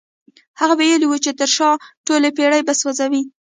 هغه ويلي وو چې تر شا ټولې بېړۍ به سوځوي.